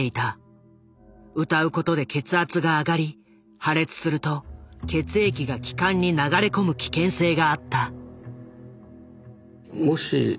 歌う事で血圧が上がり破裂すると血液が気管に流れ込む危険性があった。